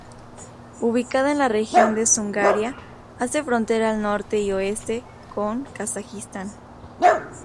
Ubicada en la región de Zungaria, hace frontera al norte y oeste con Kazajistán.